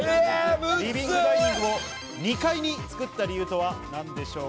リビングダイニングを２階に造った理由とは何でしょうか？